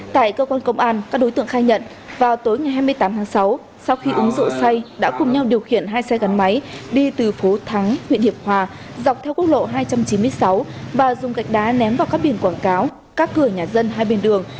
tại cơ quan công an các đối tượng khai nhận vào tối ngày hai mươi tám tháng sáu sau khi uống rượu say đã cùng nhau điều khiển hai xe gắn máy đi từ phố thắng huyện hiệp hòa dọc theo quốc lộ hai trăm chín mươi sáu và dùng gạch đá ném vào các biển quảng cáo các cửa nhà dân hai bên đường